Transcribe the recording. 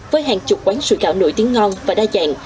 với hàng chục quán sủi cảo nổi tiếng ngon và đa dạng